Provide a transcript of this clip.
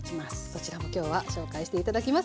そちらも今日は紹介して頂きます。